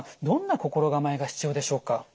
どんな心構えが必要でしょうか？